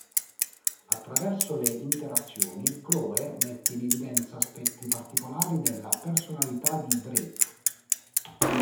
Attraverso le interazioni, Chloe mette in evidenza aspetti particolari della personalità di Drake.